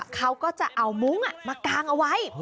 เขาก็จะเอามุ้งมากางเอาไว้